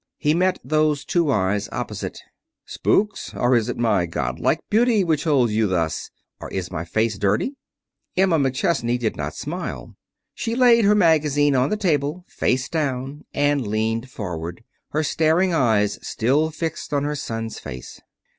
He met those two eyes opposite. "Spooks? Or is it my godlike beauty which holds you thus? Or is my face dirty?" Emma McChesney did not smile. She laid her magazine on the table, face down, and leaned forward, her staring eyes still fixed on her son's face.